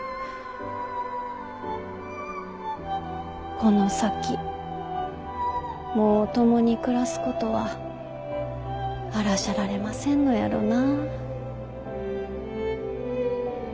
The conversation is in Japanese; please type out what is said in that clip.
この先もう共に暮らすことはあらしゃられませんのやろな。